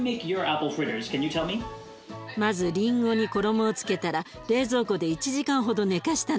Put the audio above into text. まずりんごに衣をつけたら冷蔵庫で１時間ほど寝かしたの。